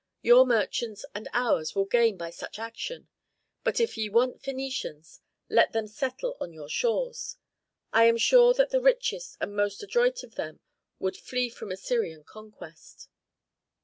Your merchants and ours will gain by such action. But if ye want Phœnicians, let them settle on your shores. I am sure that the richest and most adroit of them would flee from Assyrian conquest."